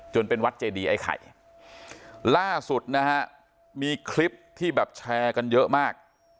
เป็นวัดเจดีไอ้ไข่ล่าสุดนะฮะมีคลิปที่แบบแชร์กันเยอะมาก